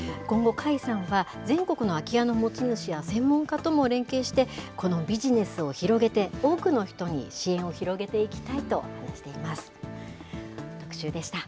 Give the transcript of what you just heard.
今後、甲斐さんは全国の空き家の持ち主や専門家とも連携して、このビジネスを広げて、多くの人に支援を広げていきたいと話しています。